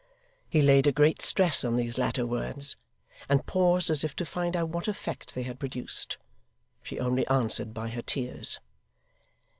He laid a great stress on these latter words, and paused as if to find out what effect they had produced. She only answered by her tears.